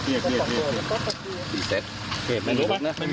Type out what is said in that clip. เตรียมโทรมาหมดแล้ว